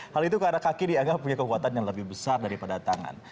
hal itu karena kaki dianggap punya kekuatan yang lebih besar daripada tangan